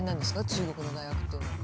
中国の大学っていうのは。